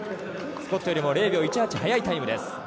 スコットよりも０秒１８早いタイム。